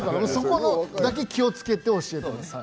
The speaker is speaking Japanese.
そこだけ気をつけて教えてます。